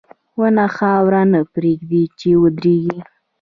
• ونه خاوره نه پرېږدي چې وریږي.